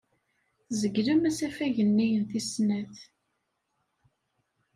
Tzeglem asafag-nni n tis snat.